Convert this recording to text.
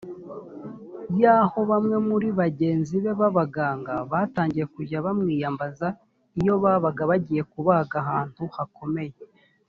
yaho bamwe muri bagenzi be b abaganga batangiye kujya bamwiyambaza iyo babaga bagiye kubaga ahantu hakomeye